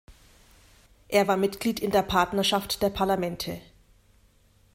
Er war Mitglied in der Partnerschaft der Parlamente.